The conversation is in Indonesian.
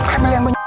ambil yang banyak